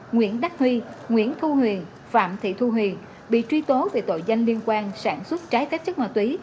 nguyễn đắc huy nguyễn thu huyền phạm thị thu huyền bị truy tố về tội danh liên quan sản xuất trái phép chất ma túy